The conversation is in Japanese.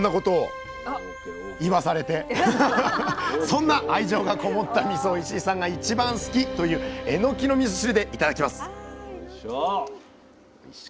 そんな愛情がこもったみそを石井さんが一番好き！というえのきのみそ汁でいただきます！